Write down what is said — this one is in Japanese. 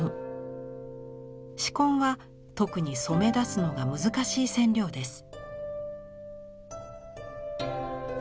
紫根は特に染め出すのが難しい染料です。